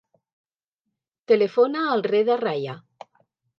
Telefona al Reda Raya.